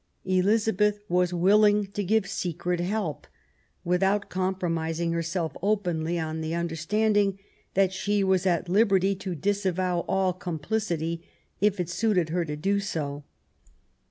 Elizabeth was willing to give secret help, without compromising herself openly, on the understanding that she was at liberty to disavow all complicity if it suited her to do so.